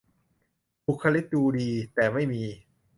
บุคลิกดูดี แต่ไม่มี